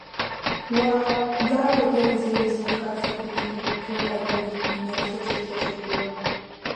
– Уа, дауэ дэ дызэрызэхацӀыхукӀынур? – жеӀэ Дул, и нэпсыр щӀилъэщӀыкӀыурэ.